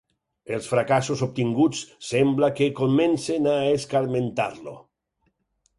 Els fracassos obtinguts sembla que comencen a escarmentar-lo.